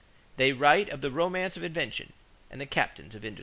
They write of the "romance of invention" and the "captains of industry."